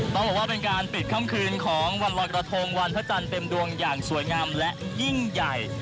ต้องบอกว่าเป็นการปิดค่ำคืนของวันรอยกระทงวันพระจันทร์เต็มดวงอย่างสวยงามและยิ่งใหญ่